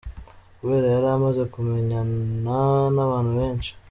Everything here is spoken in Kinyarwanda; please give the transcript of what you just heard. Kubera yari amaze kumenyana n’abantu benshi